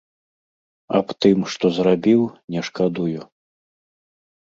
Аб тым, што зрабіў, не шкадую.